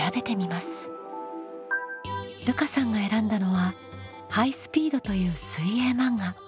るかさんが選んだのは「ハイ☆スピード！」という水泳漫画。